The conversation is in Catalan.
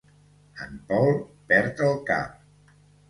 En Paul perd el cap.